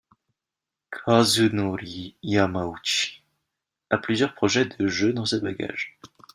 Kazunori Yamauchi a plusieurs projets de jeux dans ses bagages.